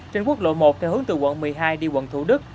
trên quốc lộ một theo hướng từ quận một mươi hai đi quận thủ đức